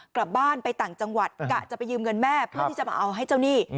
กลับบ้านไปต่างจังหวัดกะจะไปยืมเงินแม่เพื่อที่จะมาเอาให้เจ้าหนี้